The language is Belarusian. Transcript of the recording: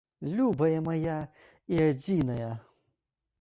Любая мая і адзіная!